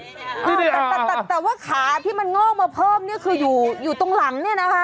แต่ว่าขาที่มันงอกมาเพิ่มเนี่ยคืออยู่ตรงหลังเนี่ยนะคะ